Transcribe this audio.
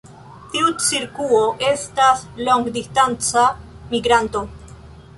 Tiu cirkuo estas longdistanca migranto.